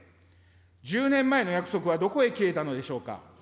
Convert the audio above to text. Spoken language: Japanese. １０年前の約束はどこへ消えたのでしょうか。